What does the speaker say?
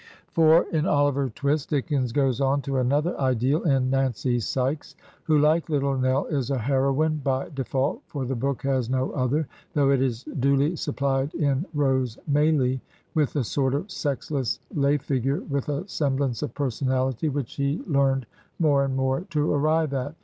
IV In "Oliver Twisf Dickens goes on to another ideal in Nancy Sykes, who, like Little Nell, is a heroine by default, for the book has no other, though it is duly suppUed in Rose Maylie with the sort of sexless lay figure, with a semblance of personality, which he learned more and more to arrive at.